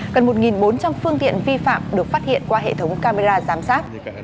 gần một bốn trăm linh phương tiện vi phạm được phát hiện qua hệ thống camera giám sát